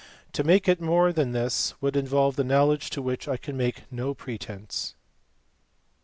To make it more than this would involve knowledge to which I can make no pretence.